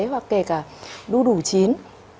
hoặc kể cả đu đủ chín